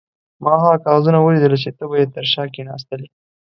ما هغه کاغذونه ولیدل چې ته به یې تر شا کښېناستلې.